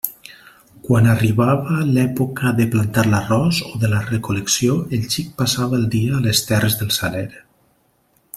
Quan arribava l'època de plantar l'arròs o de la recol·lecció, el xic passava el dia a les terres del Saler.